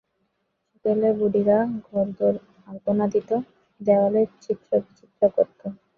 সেকেলে বুড়ীরা ঘরদোর আলপনা দিত, দেওয়ালে চিত্রবিচিত্র করত।